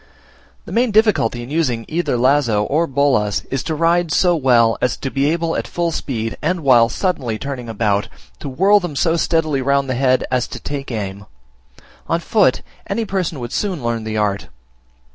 The main difficulty in using either lazo or bolas is to ride so well as to be able at full speed, and while suddenly turning about, to whirl them so steadily round the head, as to take aim: on foot any person would soon learn the art.